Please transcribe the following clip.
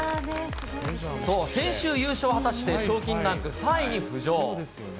そう、先週優勝を果たして、賞金ランク３位に浮上。